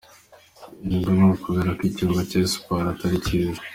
Ibi ngo ni ukubera ko ikbuga cya Espoir atari cyiza.